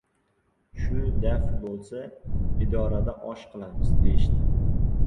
— Shu daf bo‘lsa, idorada osh qilamiz! — deyishdi.